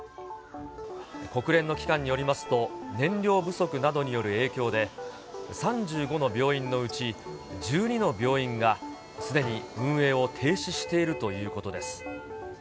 国連の機関によりますと、燃料不足などによる影響で、３５の病院のうち、１２の病院がすでに運営を停止しているということです。